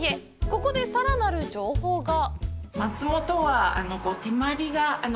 ここで、さらなる情報が。